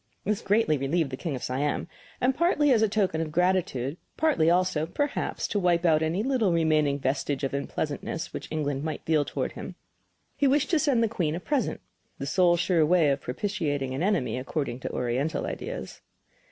This greatly relieved the King of Siam, and partly as a token of gratitude, but partly also, perhaps, to wipe out any little remaining vestige of unpleasantness which England might feel toward him, he wished to send the Queen a present the sole sure way of propitiating an enemy, according to Oriental ideas.